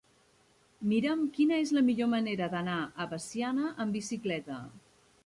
Mira'm quina és la millor manera d'anar a Veciana amb bicicleta.